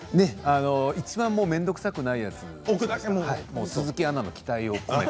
いちばん面倒くさくないやつ、鈴木アナの期待を込めて。